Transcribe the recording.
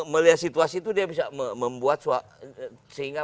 melihat situasi itu dia bisa membuat sehingga